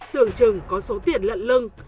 tưởng chừng có số tiền lận lưng